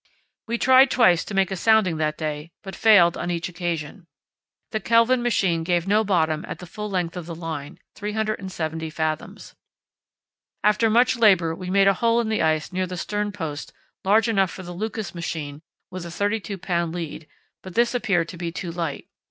We tried twice to make a sounding that day, but failed on each occasion. The Kelvin machine gave no bottom at the full length of the line, 370 fathoms. After much labour we made a hole in the ice near the stern post large enough for the Lucas machine with a 32 lb. lead; but this appeared to be too light.